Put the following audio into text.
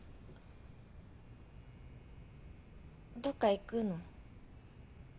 どっか行くの？